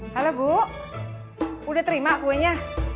halo bu udah terima kuenya